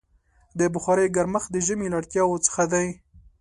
د بخارۍ ګرمښت د ژمي له اړتیاوو څخه دی.